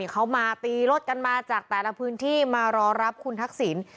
เขามาตีรถกันมาจากแต่ละพื้นที่มารอรับคุณทักษิณ